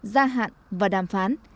gia hạn và đàm phán